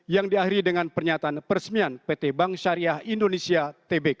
yang diakhiri dengan pernyataan peresmian pt bank syariah indonesia tbk